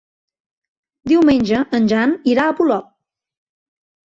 Diumenge en Jan irà a Polop.